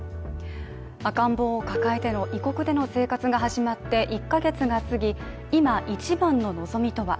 赤ん坊を抱えての異国での生活が始まって１カ月がすぎ、今、一番の望みとは。